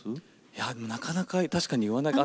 いやなかなか確かに言わない。